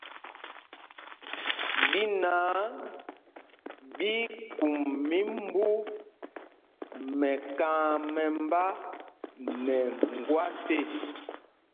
Ɗí náǎ ɓí í kum mimbú mɛkam mɛmbá nɛ ŋgwát ê.